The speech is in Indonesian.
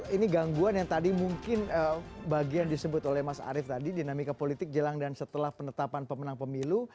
ini gangguan yang tadi mungkin bagian disebut oleh mas arief tadi dinamika politik jelang dan setelah penetapan pemenang pemilu